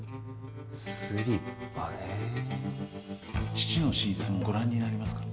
スリッパねえ父の寝室もご覧になりますか？